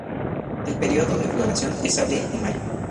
El período de floración es abril y mayo.